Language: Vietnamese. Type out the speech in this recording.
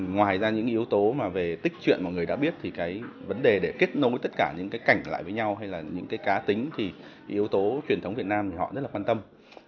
ngoài ra những yếu tố về tích truyện mà người đã biết vấn đề để kết nối tất cả những cảnh lại với nhau hay là những cá tính yếu tố truyền thống việt nam họ rất quan tâm